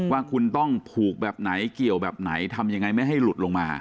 ว่าคุณต้องผูกแบบไหนเกี่ยวแบบไหนทำยังไงไม่ให้หลุดลงมา